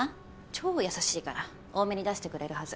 超優しいから多めに出してくれるはず。